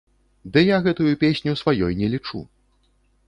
Ды я гэтую песню сваёй не лічу.